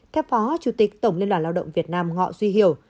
theo phó chủ tịch tổng liên đoàn lao động việt nam ngọ duy hiểu